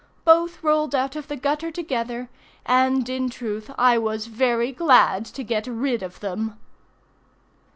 Both rolled out of the gutter together, and in truth I was very glad to get rid of them.